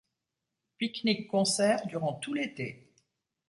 Pique-nique-concerts durant tout l'été.